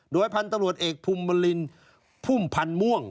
โดยพันธุ์ตำรวจเอกภูมิบรินพุ่มพันธ์ม่วง